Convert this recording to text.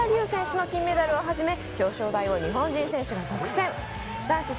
ゆ選手の金メダルをはじめ、表彰台を日本人選手が独占。